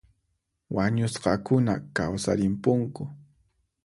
Wañusqakuna kawsarimpunku